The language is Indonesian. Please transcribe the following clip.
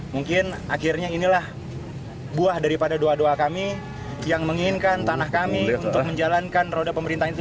mungkin akhirnya inilah buah daripada doa doa kami yang menginginkan tanah kami untuk menjalankan roda pemerintahan itu